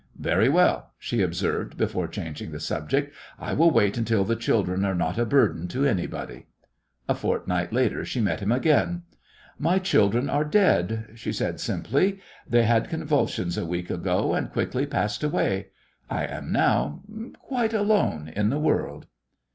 "Very well," she observed, before changing the subject, "I will wait until the children are not a burden to anybody." A fortnight later she met him again. "My children are dead," she said simply. "They had convulsions a week ago, and quickly passed away. I am now quite alone in the world."